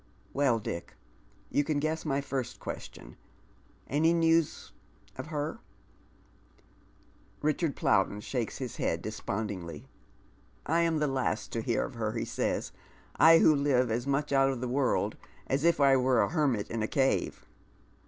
Well, Dick, you can guess my first question. Any news — of her ?" Richard Plowden shakes his head dcopondingly. " I am the last to hear of her," he says, —" I who live as much out of the world as if I were a hermit in a cave."